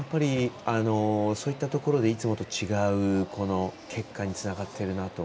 そういったところでいつもと違う結果につながっているなと。